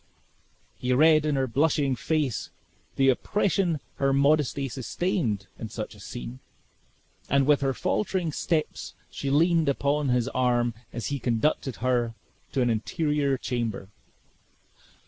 He read in her blushing face, the oppression her modesty sustained in such a scene, and with her faltering steps she leaned upon his arm as he conducted her to an interior chamber.